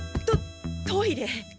トトイレ。